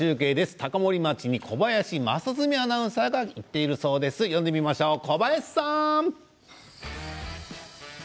高森町に小林将純アナウンサーが行っています、小林さん。